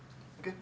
oke terima kasih